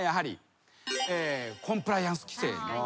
コンプライアンス規制。